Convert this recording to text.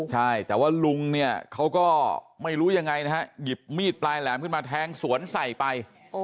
ใช่แต่ว่าลุงเนี่ยเขาก็ไม่รู้ยังไงนะฮะหยิบมีดปลายแหลมขึ้นมาแทงสวนใส่ไป